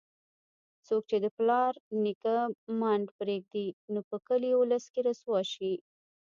څوک چې د پلار نیکه منډ پرېږدي، نو په کلي اولس کې رسوا شي.